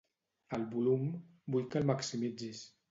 El volum, vull que el maximitzis.